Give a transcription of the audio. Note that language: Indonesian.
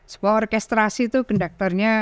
sebuah orkestrasi tuh kondaktornya